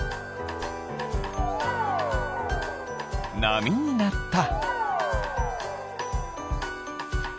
なみになった。